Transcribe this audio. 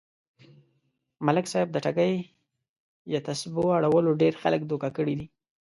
ملک صاحب د ټگۍ يه تسبو اړولو ډېر خلک دوکه کړي دي.